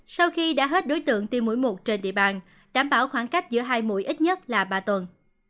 sau khi đã hết đối tượng tiêm mũi một trên địa bàn đảm bảo khoảng cách giữa hai mũi ít nhất là ba tuần